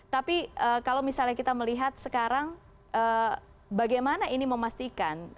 tapi kalau misalnya kita melihat sekarang bagaimana ini memastikan